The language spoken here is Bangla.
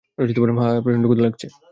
হ্যাঁ, হ্যাঁ, প্রচন্ড ক্ষুধা লাগছে।